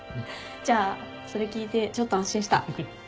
じゃあそれ聞いてちょっと安心した。